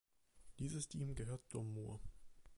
Dieses Team gehört Tom Moore.